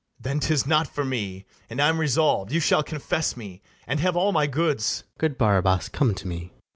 BARABAS. Then 'tis not for me; and I am resolv'd You shall confess me, and have all my goods. FRIAR JACOMO. Good Barabas, come to me.